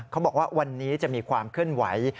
เขาบอกว่าวันนี้จะมีความเคลื่อนไหว